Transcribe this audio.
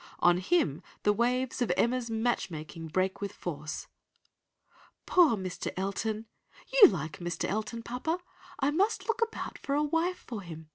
On him the waves of Emma's match making break with force— "'Poor Mr. Elton! You like Mr. Elton, papa! I must look about for a wife for him.